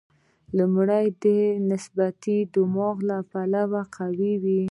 لومړی د نسبتي دماغ له پلوه قوي وي.